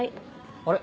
あれ？